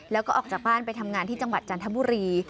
แล้วก็ออกจากบ้านไปทำงานที่จังหวัดจันทบุรี